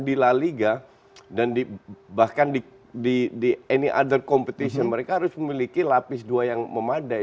di la liga dan bahkan di any other competition mereka harus memiliki lapis dua yang memadai